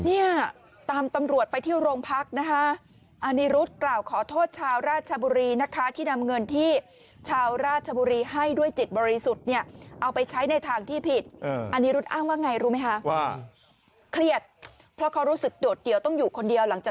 เนี่ยตามตำรวจไปที่โรงพักนะคะอนิรุธกล่าวขอโทษชาวราชบุรีนะคะที่นำเงินที่ชาวราชบุรีให้ด้วยจิตบริสุทธิ์เนี่ยเอาไปใช้ในทางที่ผิด